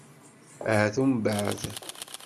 Ahat umbeɛd.